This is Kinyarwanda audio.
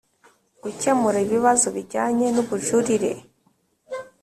gukemura ibibazo bijyanye n ubujurire